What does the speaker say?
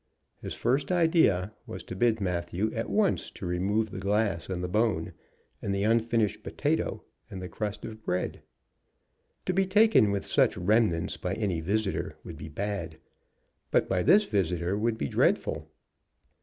His first idea was to bid Matthew at once remove the glass and the bone, and the unfinished potato and the crust of bread. To be taken with such remnants by any visitor would be bad, but by this visitor would be dreadful.